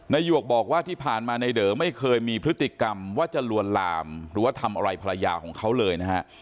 หยวกบอกว่าที่ผ่านมานายเด๋อไม่เคยมีพฤติกรรมว่าจะลวนลามหรือว่าทำอะไรภรรยาของเขาเลยนะฮะ